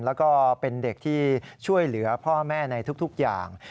แล้วก็เป็นเด็กที่ช่วยเหลือพ่อแม่ในทุกอย่าง